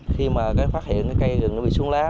khi mà phát hiện cây rừng bị xuống lá